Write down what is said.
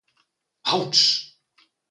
Autsch!